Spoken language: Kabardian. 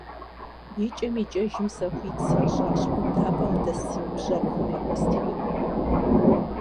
ИкӀэм-икӀэжым сэ хуит сащӀащ быдапӀэм дэс си ныбжьэгъухэм яхуэстхыну.